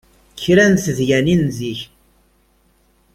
Kra n tedyanin n zik.